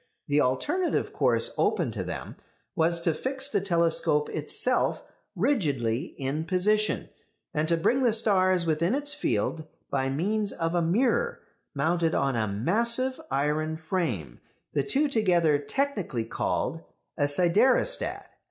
The alternative course open to them was to fix the telescope itself rigidly in position, and to bring the stars within its field by means of a mirror mounted on a massive iron frame the two together technically called a siderostat.